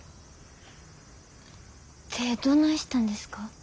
手ぇどないしたんですか？